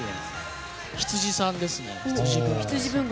羊さんですね。